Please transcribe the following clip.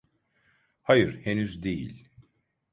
Hayır, henüz değil.